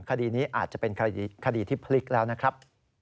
คดีนี้อาจจะเป็นคดีที่พลิกแล้วนะครับ